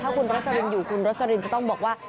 ถ้าคุณโรสลินอยู่คุณโรสลินจะต้องบอกว่า